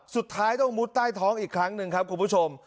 สุดท้ายต้องมุดใต้ท้องอีกครั้งหนึ่งครับคุณผู้ชม